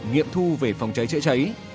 nghiệm thu về phòng cháy chữa cháy